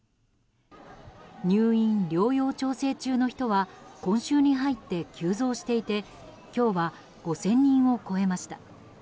入院・療養調整中の人は今週に入って急増していて今日は５０００人を超えました。